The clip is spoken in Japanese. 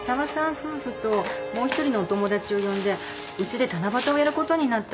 夫婦ともう一人のお友達を呼んでうちで七夕をやることになったの。